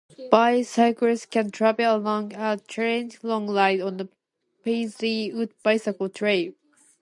Bicyclists can travel along a challenging long ride on the Paisley Woods Bicycle Trail.